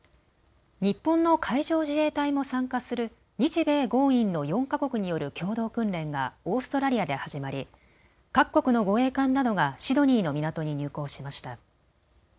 日本の海上自衛隊も参加する日米豪印の４か国による共同訓練がオーストラリアで始まり各国の護衛艦などがシドニーの港に入港しました。